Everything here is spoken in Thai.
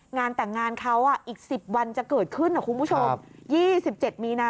งานแต่งงานเขาอ่ะอีก๑๐วันจะเกิดขึ้นอ่ะคุณผู้ชม